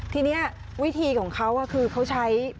ทีนี้วิธีของเขาคือเขาใช้